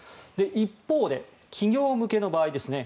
一方で、企業向けの場合ですね。